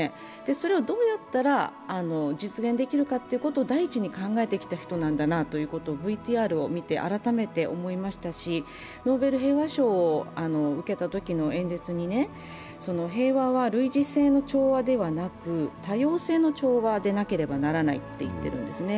それをどうやったら実現できるかということを第一に考えてきた人なんだなというのをＶＴＲを見て改めて思いましたし、ノーベル平和賞を受けたときの演説に平和は類似性の調和ではなく多様性の調和でなければならないと言っているんですね。